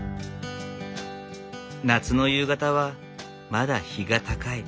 夏の夕方はまだ日が高い。